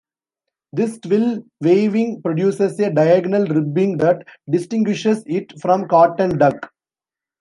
This twill weaving produces a diagonal ribbing that distinguishes it from cotton duck.